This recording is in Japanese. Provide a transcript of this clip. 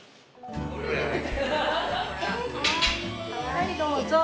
はいどうぞ。